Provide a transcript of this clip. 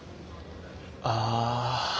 ああ。